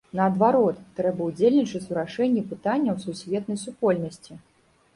Наадварот, трэба ўдзельнічаць у рашэнні пытанняў сусветнай супольнасці.